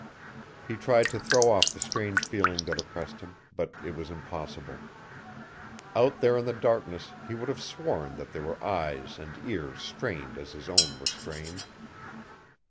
He tried to throw off the strange feeling that oppressed him, but it was impossible. Out there in the darkness he would have sworn that there were eyes and ears strained as his own were strained.